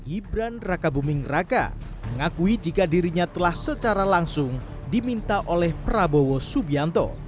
gibran raka buming raka mengakui jika dirinya telah secara langsung diminta oleh prabowo subianto